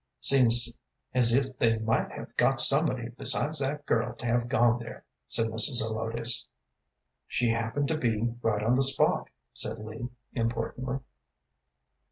"Seems as if they might have got somebody besides that girl to have gone there," said Mrs. Zelotes. "She happened to be right on the spot," said Lee, importantly.